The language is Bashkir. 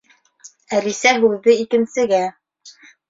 Әлисә һүҙҙе икенсегә